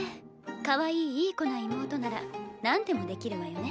かわいいいい子な妹ならなんでもできるわよね。